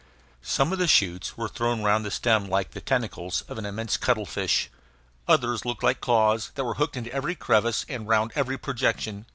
Some of the shoots were thrown round the stem like the tentacles of an immense cuttlefish. Others looked like claws, that were hooked into every crevice, and round every projection.